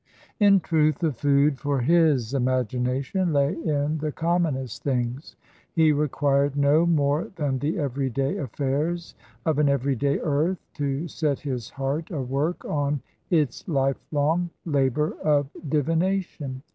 In truth, the food for his imagination lay in the com monest things ; he required no more than the every day afiairs of an every day earth to set his heart a work on its lifelong labour of divination.